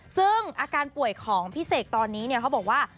ซึ่งอาการป่วยของพี่เสกตอนนี้เขาบอกว่า